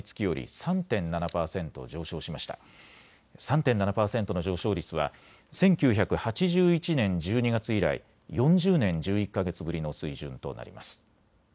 ３．７％の上昇率は１９８１年１２月以来、４０年１１か月ぶりの水準となります。